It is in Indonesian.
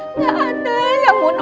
nggak ada yang mau nemenin nenek